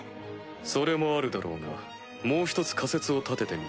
それもあるだろうがもう一つ仮説を立ててみた。